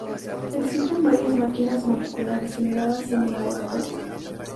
Existen varias máquinas moleculares generadas en el laboratorio